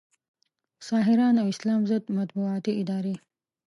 ساحران او اسلام ضد مطبوعاتي ادارې